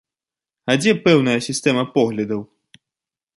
А дзе пэўная сістэма поглядаў?